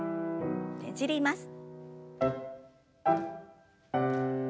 ねじります。